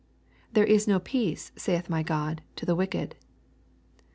" There is no peace, saith my God, to the wicked."